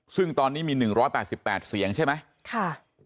ซึ่งตอนนี้มี๑๘๘เสียงใช่ไหม